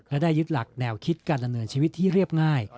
และได้ยึดหลักแนวคิดการดำเนินชีวิตที่เรียบง่าย